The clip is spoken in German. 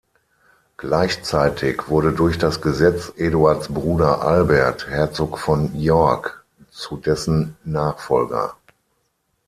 Gleichzeitig wurde durch das Gesetz Eduards Bruder Albert, Herzog von York, zu dessen Nachfolger.